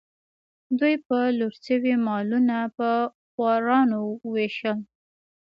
دوی به لوټ شوي مالونه په خوارانو ویشل.